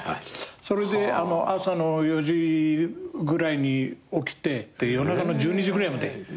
朝の４時ぐらいに起きて夜中の１２時ぐらいまでやった。